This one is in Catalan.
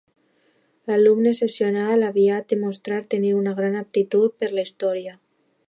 Alumne excepcional, aviat demostra tenir una gran aptitud per a la Història.